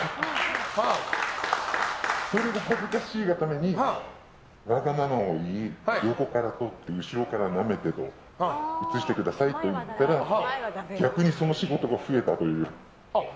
それが恥ずかしいがためにわがままを言い、横から撮って後ろからなめて映してくださいって言ったら逆にその仕事が増えたという。